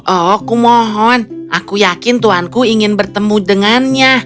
oh kumohon aku yakin tuhanku ingin bertemu dengannya